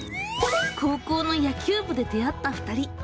高校の野球部で出会った２人。